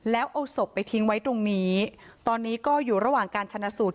แล้วเอาศพไปทิ้งไว้ตรงนี้ตอนนี้ก็อยู่ระหว่างการชนะสูตร